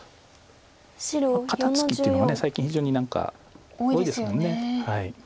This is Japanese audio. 肩ツキっていうのは最近非常に何か多いですもんね。